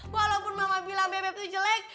walaupun mama bilang bebek itu jelek